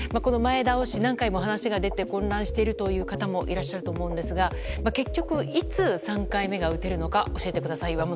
前倒し何回も話が出て混乱しているという方もいらっしゃると思うんですが結局いつ３回目が打てるのか教えてください。